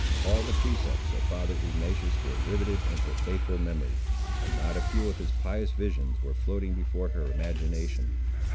All the precepts of father Ignatius were riveted in her faithful memory, and not a few of his pious visions were floating before her imagination.